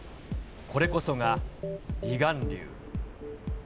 これこそが離岸流。